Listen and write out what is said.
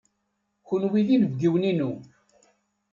Kenwi d inebgiwen-inu.